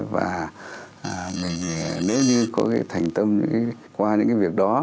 và mình nếu như có cái thành tâm qua những cái việc đó